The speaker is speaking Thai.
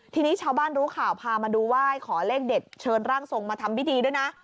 ทีนี้ชาวบ้านรู้ข่าวพามาดูไหว้ขอเลขเด็ดเชิญร่างทรงมาทำพิธีด้วยนะ